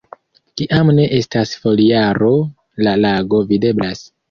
Kiam ne estas foliaro, la lago videblas.